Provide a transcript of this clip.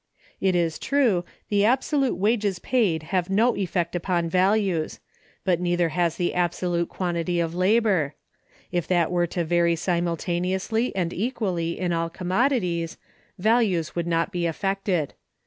It is true, the absolute wages paid have no effect upon values; but neither has the absolute quantity of labor. If that were to vary simultaneously and equally in all commodities, values would not be affected.